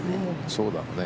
そうだろうね。